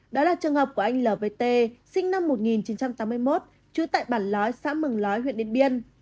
đó là trường hợp của anh lvt sinh năm một nghìn chín trăm tám mươi một trứ tại bản lói xã mừng lói huyện điện biên